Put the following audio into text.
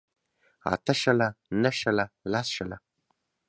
اته شله نهه شله لس شله